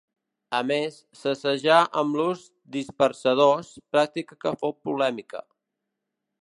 A més, s'assajà amb l'ús dispersors, pràctica que fou polèmica.